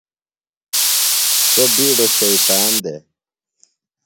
سوۡ بِیڈو شیطان دےۡ۔